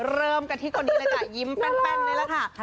เริ่มกันที่ก่อนี้ยิ้มแป้นนี่แหละค่ะ